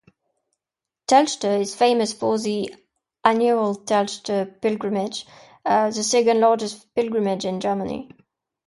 Telgte is famous for the annual Telgte Pilgrimage, the second largest pilgrimage in Germany.